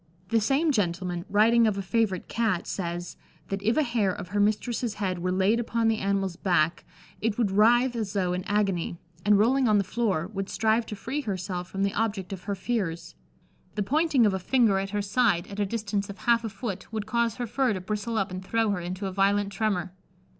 The same gentleman, writing of a favourite Cat, says, that if a hair of her mistress's head were laid upon the animal's back it would writhe as though in agony, and rolling on the floor, would strive to free herself from the object of her fears. The pointing of a finger at her side, at a distance of half a foot, would cause her fur to bristle up and throw her into a violent tremour.